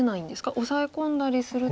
オサエ込んだりすると。